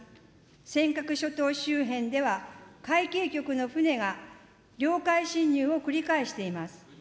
尖閣諸島周辺では、海警局の船が領海侵入を繰り返しています。